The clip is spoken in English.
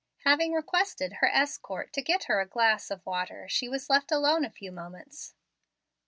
Having requested her escort to get her a glass of water she was left alone a few moments.